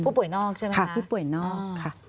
ป่วยนอกใช่ไหมคะผู้ป่วยนอกค่ะ